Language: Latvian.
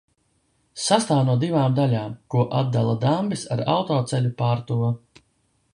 Sastāv no divām daļām, ko atdala dambis ar autoceļu pār to.